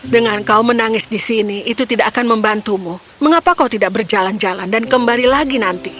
dengan kau menangis di sini itu tidak akan membantumu mengapa kau tidak berjalan jalan dan kembali lagi nanti